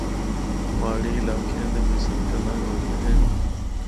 پہاڑی علاقیاں دے بچ سڑکاں تنگ ہوندیاں ہن۔